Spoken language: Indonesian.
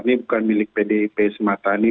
ini bukan milik pdip semata ini